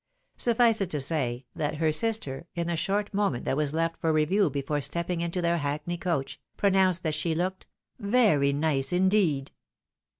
Suffice it to say, that her sister, in the short moment that was left for review before stepping into their hackney coach, pronounced that she looked "very nice, indeed."